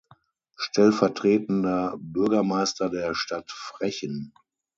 Stellvertretender Bürgermeister der Stadt Frechen.